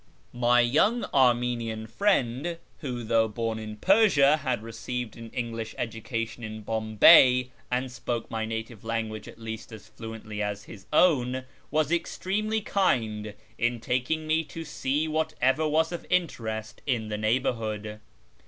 My young Armenian friend (who, though born in Persia, had received an English education in Bombay, and spoke my native language at least as fluently as his own) was extremely kind in taking me to see whatever was of interest in the neighbourhood.